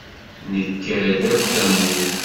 Nekka-d akk tamurt.